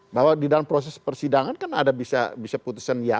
bahwa di dalam proses persidangan kan ada bisa putusan yang